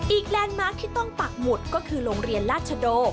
แลนด์มาร์คที่ต้องปักหมุดก็คือโรงเรียนราชโด